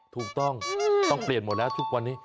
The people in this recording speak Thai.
ถูกต้องต้องเปลี่ยนหมดแล้วทุกวันนี้